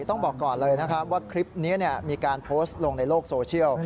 ต้องบอกก่อนเลยนะครับว่าคลิปนี้มีการโพสต์ลงในโลกโซเชียล